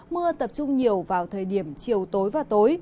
mưa tập trung nhiều vào thời điểm chiều tối và tối